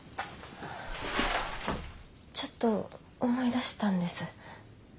ちょっと思い出したんです。